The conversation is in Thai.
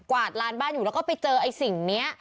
วาดลานบ้านอยู่แล้วก็ไปเจอไอ้สิ่งนี้